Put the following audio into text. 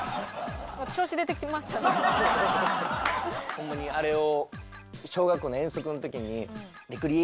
ホンマにあれを。